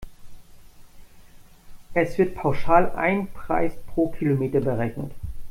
Es wird pauschal ein Preis pro Kilometer berechnet.